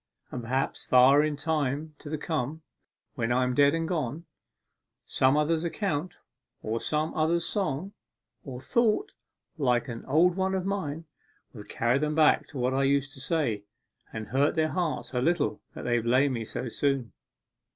And perhaps, far in time to come, when I am dead and gone, some other's accent, or some other's song, or thought, like an old one of mine, will carry them back to what I used to say, and hurt their hearts a little that they blamed me so soon.